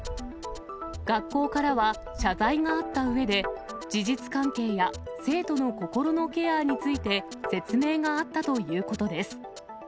学校からは謝罪があったうえで、事実関係や生徒の心のケアについて、説明があったということです。